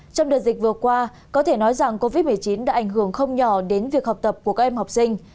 trong đợt dịch vừa qua có thể nói rằng covid một mươi chín đã ảnh hưởng không nhỏ đến việc học tập của các em học sinh